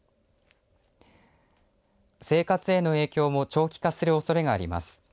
生活への影響も長期化するおそれがあります。